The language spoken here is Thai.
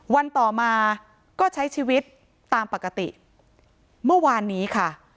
วันต่อมาก็ใช้ชีวิตตามปกติเมื่อวานนี้ค่ะ